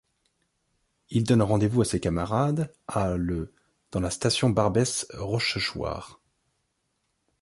Il donne rendez-vous à ses camarades à le dans la station Barbès - Rochechouart.